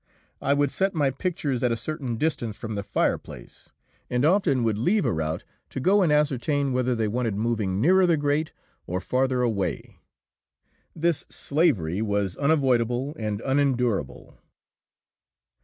I would set my pictures at a certain distance from the fireplace, and often would leave a rout to go and ascertain whether they wanted moving nearer the grate or farther away. This slavery was unavoidable and unendurable.